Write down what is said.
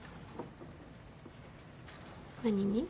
何に？